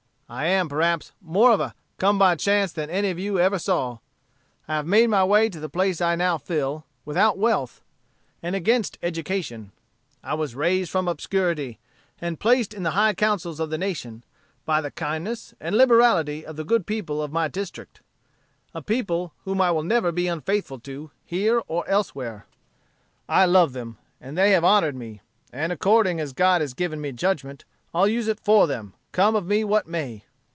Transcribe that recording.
I am, perhaps, more of a come by chance than any of you ever saw; I have made my way to the place I now fill, without wealth, and against education; I was raised from obscurity, and placed in the high councils of the nation, by the kindness and liberality of the good people of my district a people whom I will never be unfaithful to, here or elsewhere; I love them, and they have honored me; and according as God has given me judgment, I'll use it for them, come of me what may.